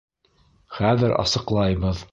Хәҙер асыҡлайбыҙ.